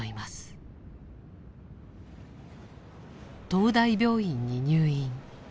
東大病院に入院。